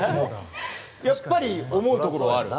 やっぱり思うところはある？